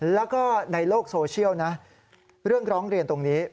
แล้วก็ในโลกโซเชียลนะเรื่องร้องเรียนตรงนี้